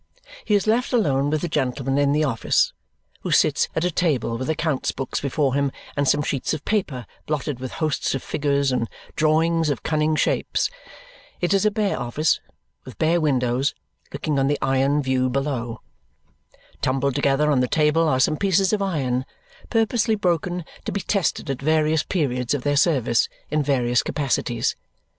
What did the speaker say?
He is left alone with the gentleman in the office, who sits at a table with account books before him and some sheets of paper blotted with hosts of figures and drawings of cunning shapes. It is a bare office, with bare windows, looking on the iron view below. Tumbled together on the table are some pieces of iron, purposely broken to be tested at various periods of their service, in various capacities.